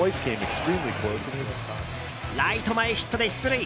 ライト前ヒットで出塁。